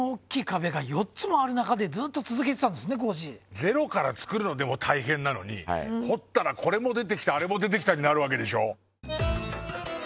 ゼロから造るのでも大変なのに，辰燭これも出てきたあれも出てきたになるわけでしょ。